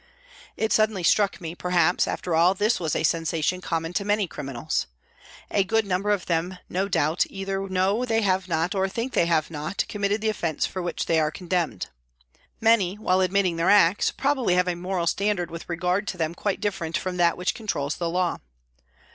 It suddenly struck me, perhaps, after all, this is a sensation common to many criminals. A good number of them no doubt either know they have not, or think they have not, committed the offence for which they are condemned. Many, while admitting their acts, probably have a moral standard with re gard to them quite different from that which controls the law.